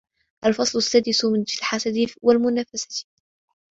الْفَصْلُ السَّادِسُ فِي الْحَسَدِ وَالْمُنَافَسَةِ